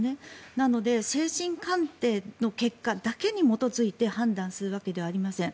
なので、精神鑑定の結果だけに基づいて判断するわけではありません。